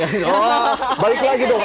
oh balik lagi dong